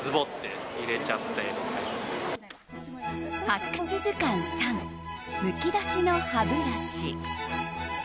発掘図鑑３むき出しの歯ブラシ。